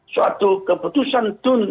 suatu keputusan tun